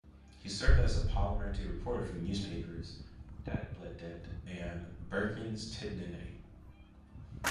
He served as parliamentary reporter for the newspapers "Dagbladet and "Bergens Tidende.